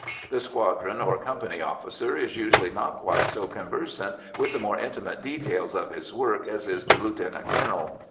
The squadron or company officer is usually not quite so conversant with the more intimate details of his work as is the lieutenant colonel.